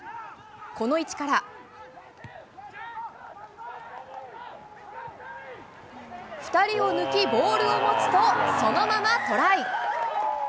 この位置から、２人を抜き、ボールを持つと、そのままトライ。